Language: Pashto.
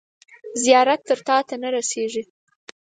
زیارت تر تاته نه رسیږي.